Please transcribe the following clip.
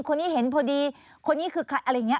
คนนี้เห็นพอดีคนนี้คือใครอะไรอย่างนี้